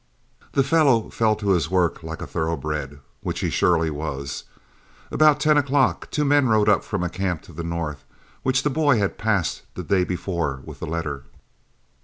"The fellow fell to his work like a thoroughbred, which he surely was. About ten o'clock two men rode up from a camp to the north, which the boy had passed the day before with the letter.